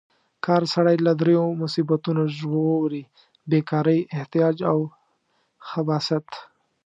کار سړی له دریو مصیبتونو ژغوري: بې کارۍ، احتیاج او خباثت.